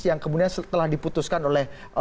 yang kemudian setelah diputuskan oleh